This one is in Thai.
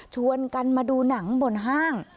ชวนกันมาดูหนังบนห้าง